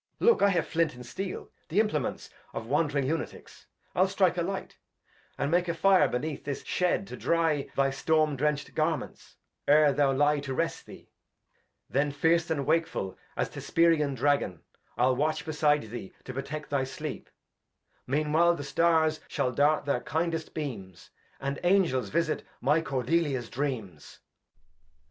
Look, I have Flint and Steel, the Implements Of wand' ring Lunaticks ; I'll strike a Light, And make a Fire beneath this Shed, to dry Thy Storm drencht Garments, 'ere thou lie to rest thee ; Then fierce and wakeful as th' Hesperian Dragon, I'U watch beside thee to protect thy Sleep ; Mean while the Stars shall dart their kindest Beams, And Angels visit my Cordelia's Dreams.